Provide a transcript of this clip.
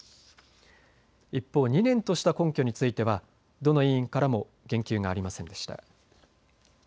一方、２年とした根拠についてはどの委員からも言及がありませんでした。